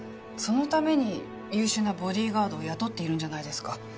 そのために優秀なボディーガードを雇っているんじゃないですか。